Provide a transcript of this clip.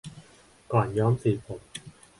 ก่อนย้อมสีผม